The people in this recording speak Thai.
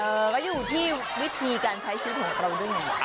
เออมันอยู่ที่วิธีการใช้คิดของเราด้วยนะ